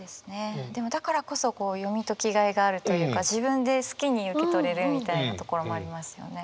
でもだからこそ読み解きがいがあるというか自分で好きに受け取れるみたいなところもありますよね。